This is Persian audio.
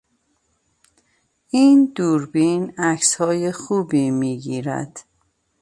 این دوربین عکسهای خوبی میگیرد.